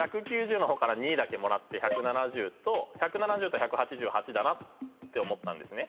１９０の方から２もらって１７０と１７０と１８８だなって思ったんですね。